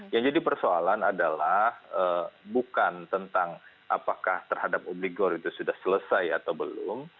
yang jadi persoalan adalah bukan tentang apakah terhadap obligor itu sudah selesai atau belum